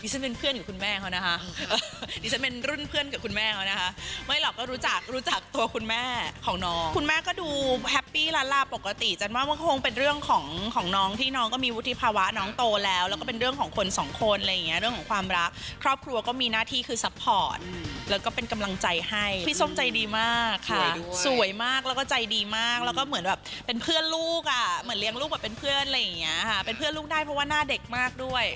ดิฉันเป็นเพื่อนกับคุณแม่เขานะฮะดิฉันเป็นรุ่นเพื่อนกับคุณแม่เขานะฮะไม่หรอกก็รู้จักรู้จักตัวคุณแม่ของน้องคุณแม่ก็ดูแฮปปี้ลาลาปกติจันว่ามันคงเป็นเรื่องของของน้องที่น้องก็มีวุฒิภาวะน้องโตแล้วแล้วก็เป็นเรื่องของคนสองคนอะไรอย่างเงี้ยเรื่องของความรักครอบครัวก็มีหน้าที่คือซัพพอร์